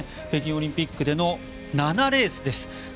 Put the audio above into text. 北京オリンピックでの７レースです。